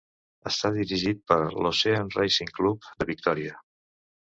Està dirigit per l'Ocean Racing Club de Victòria.